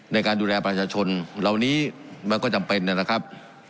ในการดูแลประชาชนเหล่านี้มันก็จำเป็นนะครับ